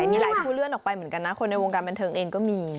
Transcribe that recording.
มีหลายผู้เลื่อนออกไปเหมือนกันนะคนในวงการบันเทิงเองก็มี